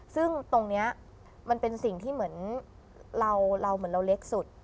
ซึ่งตรงนี้มันเป็นสิ่งที่เหมือนเราเหมือนเราเล็กสุด